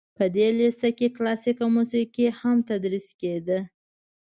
په دې لیسه کې کلاسیکه موسیقي هم تدریس کیده.